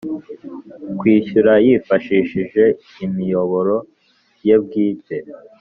kwishyura yifashishije imiyoboro ye bwite